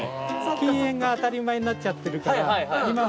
禁煙が当たり前になっちゃってるから。